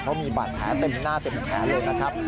เขามีบัตรแผลเต็มที่หน้าเต็มที่แผลเลยนะครับ